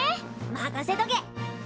任せとけ！